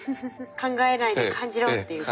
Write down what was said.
「考えないで感じろ」っていうことで。